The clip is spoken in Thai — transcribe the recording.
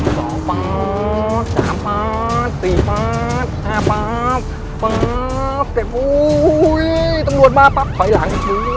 สองสามสี่แป๊บแป๊บแป๊บเก็บอุ้ยตำรวจมาปั๊บถอยหลัง